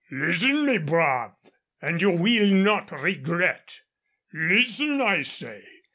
"Listen, mes braves, and you will not regret. Listen, I say.